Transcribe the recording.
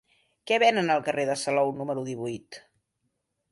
Què venen al carrer de Salou número divuit?